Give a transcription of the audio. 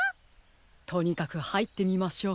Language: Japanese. とにかくはいってみましょう。